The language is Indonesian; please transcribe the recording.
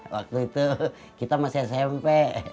waktu itu kita masih smp